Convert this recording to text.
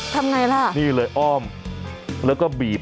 ทำไงล่ะนี่เลยอ้อมแล้วก็บีบ